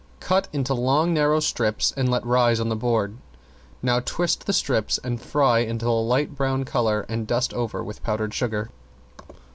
Cut into long narrow strips and let rise on the board. Now twist the strips and fry until a light brown color, and dust over with powdered sugar.